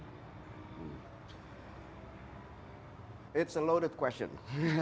itu pertanyaan yang sangat penting